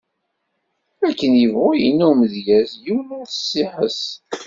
Akken yebɣu yenna umedyaz, yiwen ur s-iḥess.